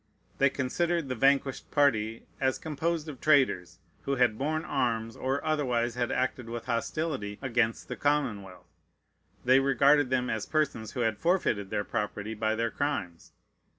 They considered the vanquished party as composed of traitors, who had borne arms, or otherwise had acted with hostility, against the commonwealth. They regarded them as persons who had forfeited their property by their crimes.